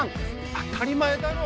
当たり前だろ。